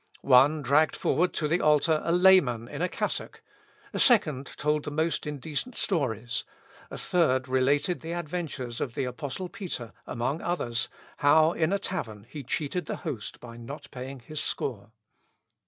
One dragged forward to the altar a layman in a cassock; a second told the most indecent stories; a third related the adventures of the Apostle Peter, among others, how, in a tavern, he cheated the host by not paying his score.